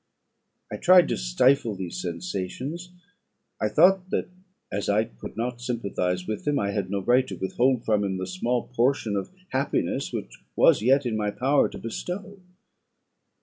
I tried to stifle these sensations; I thought, that as I could not sympathise with him, I had no right to withhold from him the small portion of happiness which was yet in my power to bestow.